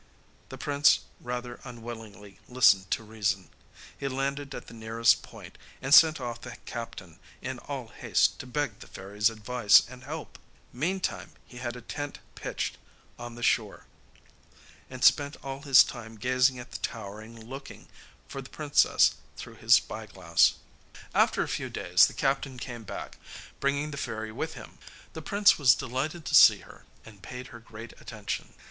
The prince rather unwillingly listened to reason. He landed at the nearest point, and sent off the captain in all haste to beg the fairy's advice and help. Meantime he had a tent pitched on the shore, and spent all his time gazing at the tower and looking for the princess through his spyglass. After a few days the captain came back, bringing the fairy with him. The prince was delighted to see her, and paid her great attention.